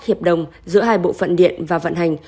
hiệp đồng giữa hai bộ phận điện và vận hành